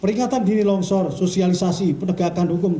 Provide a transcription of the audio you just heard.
peringatan diri longsor sosialisasi penegakan hukum dll